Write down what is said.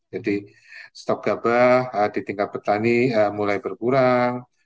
jadi stok gabah di tingkat petani mulai berkurang